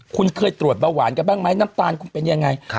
คุณเคยตรวจเบาหวานกันบ้างไหมน้ำตาลคุณเป็นยังไง